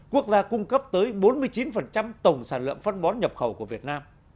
quốc gia cung cấp tới bốn mươi chín tổng sản lượng phân bón nhập khẩu của việt nam